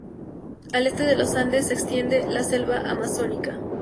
Al este de los Andes se extiende la selva amazónica.